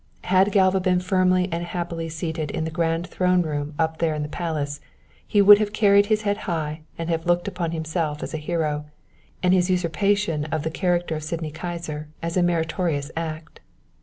Had Galva been firmly and happily seated in the great throne room up there in the Palace, he would have carried his head high and have looked upon himself as a hero, and his usurpation of the character of Sydney Kyser as a meritorious act.